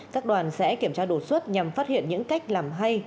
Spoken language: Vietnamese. các đoàn sẽ kiểm tra đột xuất nhằm phát hiện những cách làm hay